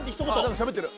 しゃべってる。